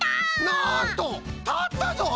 なんとたったぞい！